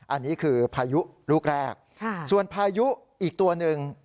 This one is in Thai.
อันนี้คือพายุลูกแรกส่วนพายุอีกตัวหนึ่ง